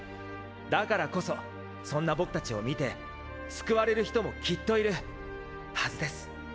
だからこそそんな僕たちを見て救われる人もきっといるはずです。